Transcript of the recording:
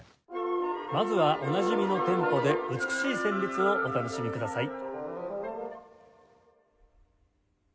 まずはおなじみのテンポで美しい旋律をお楽しみください。